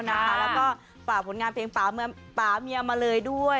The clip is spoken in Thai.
แล้วก็ฝากผลงานเพลงป่าเมียมาเลยด้วย